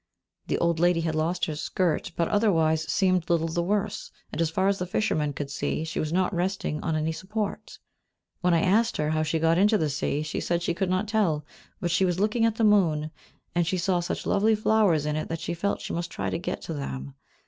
The old lady had lost her skirt, but otherwise seemed little the worse, and, as far as the fishermen could see, she was not resting on any support. When I asked her how she got into the sea, she said she could not tell, but she was looking at the moon, and she saw such lovely flowers in it that she felt she must try to get to them.